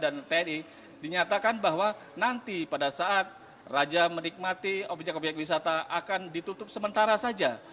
dan tni dinyatakan bahwa nanti pada saat raja menikmati objek objek wisata akan ditutup sementara saja